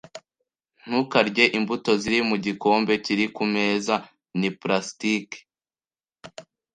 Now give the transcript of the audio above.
Ntukarye imbuto ziri mu gikombe kiri kumeza. Ni plastiki.